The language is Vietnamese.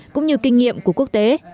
cũng như kinh nghiệm của quốc tế